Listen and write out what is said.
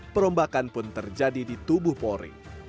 perombakan pun terjadi di tubuh polri